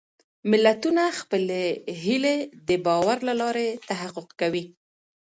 ملتونه خپلې هېلې د باور له لارې تحقق کوي.